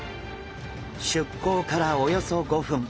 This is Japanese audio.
出港からおよそ５分。